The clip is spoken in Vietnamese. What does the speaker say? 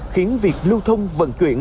khiến việc lưu thông vận chuyển